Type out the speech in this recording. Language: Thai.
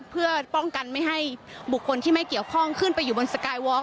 เพื่อป้องกันไม่ให้บุคคลที่ไม่เกี่ยวข้องขึ้นไปอยู่บนสกายวอล์